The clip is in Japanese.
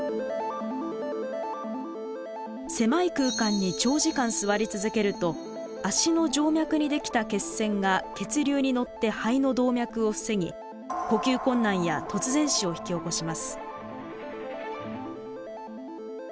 狭い空間に長時間座り続けると足の静脈にできた血栓が血流にのって肺の動脈をふさぎ呼吸困難や突然死を引き起こします。